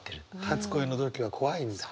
初恋の時は怖いんだ？